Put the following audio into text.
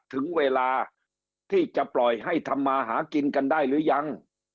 ถึงเวลาที่จะปล่อยให้ทำมาหากินกันได้หรือยัง